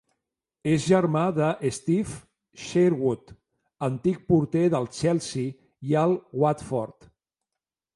És germà de Steve Sherwood, antic porter del Chelsea i el Watford.